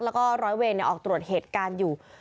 แล้วก็ร้อยเวรออกตรวจเหตุการณ์อยู่